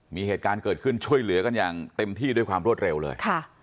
มีเหตุการณ์เกิดขึ้นช่วยเหลือกันอย่างเต็มที่ด้วยความรวดเร็วเลย